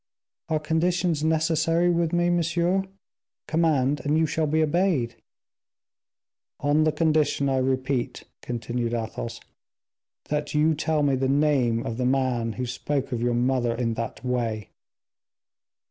"Are conditions necessary with me, monsieur? Command, and you shall be obeyed." "On the condition, I repeat," continued Athos; "that you tell me the name of the man who spoke of your mother in that way."